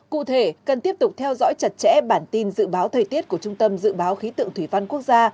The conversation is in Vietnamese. cụ thể cần tiếp tục theo dõi chặt chẽ bản tin dự báo thời tiết của trung tâm dự báo khí tượng thủy văn quốc gia